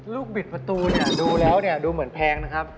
บิดประตูเนี่ยดูแล้วเนี่ยดูเหมือนแพงนะครับ